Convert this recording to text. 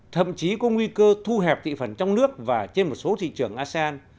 thậm chí có nguy cơ thu hẹp thị phần trong nước và trên một số thị trường asean